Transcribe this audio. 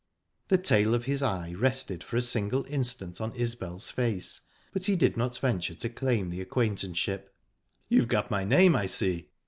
The tail of his eye rested for a single instant on Isbel's face, but he did not venture to claim the acquaintanceship. "You've got my name, I see?"